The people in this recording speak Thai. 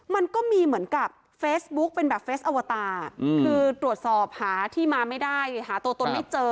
มันก็มีเหมือนกับเฟซบุ๊กเป็นแบบเฟสอวตาคือตรวจสอบหาที่มาไม่ได้หาตัวตนไม่เจอ